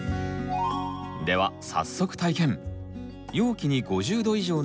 では早速体験。